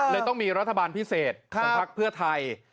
ต้องมีรัฐบาลพิเศษของพักเพื่อไทย